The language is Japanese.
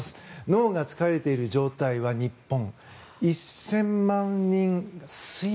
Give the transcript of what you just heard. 脳が疲れている状態は推定、日本、１０００万人。